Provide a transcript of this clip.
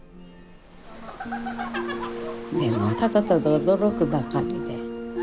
でもただただ驚くばかりで。